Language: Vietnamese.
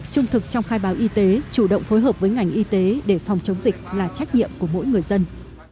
trung thực trong khai báo y tế chủ động phối hợp với ngành y tế để phòng chống dịch là trách nhiệm của mỗi người dân